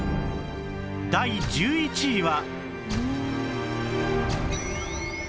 第１１位は